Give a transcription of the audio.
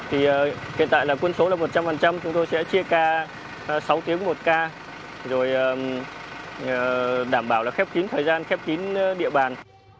thì hiện tại là quân số là một trăm linh chúng tôi sẽ chia ca sáu tiếng một ca rồi đảm bảo là khép kín thời gian khép kín địa bàn